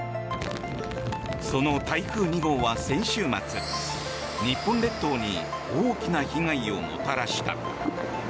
その台風２号は先週末日本列島に大きな被害をもたらした。